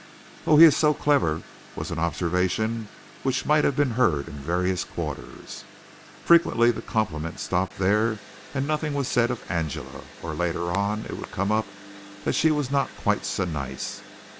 "Oh, he is so clever!" was an observation which might have been heard in various quarters. Frequently the compliment stopped there and nothing was said of Angela, or later on it would come up that she was not quite so nice.